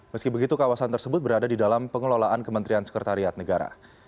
meski begitu kawasan tersebut berada di dalam pengelolaan kementerian sekretariat negara